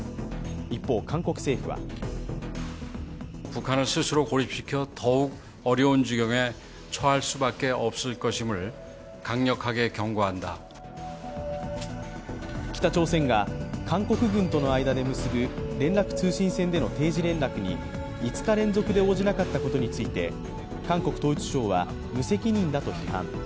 一方、韓国政府は北朝鮮が韓国軍との間で結ぶ連絡通信線での定時連絡に５日連続で応じなかったことについて、韓国統一相は無責任だと批判。